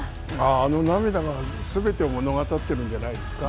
あの涙がすべてを物語っているんじゃないですか。